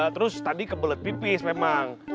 terus tadi kebelet pipis memang